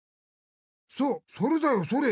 そうそれだよそれ！